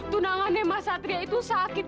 tunangannya mas satria itu sakit